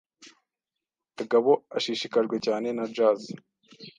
Kagabo ashishikajwe cyane na jazz.